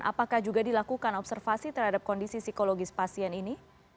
apakah juga dilakukan observasi terhadap kondisi psikologis pasien ini